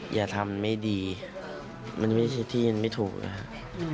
อย่าทำไม่ดีมันไม่ใช่ที่มันไม่ถูกนะครับ